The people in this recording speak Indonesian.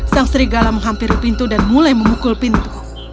sang serigala menghampiri pintu dan mulai memukul pintu